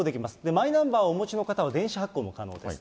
マイナンバーをお持ちの方は電子発行も可能です。